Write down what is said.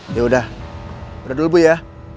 yaudah udah dulu ya